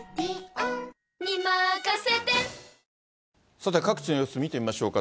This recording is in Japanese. さて、各地の様子を見てみましょうか。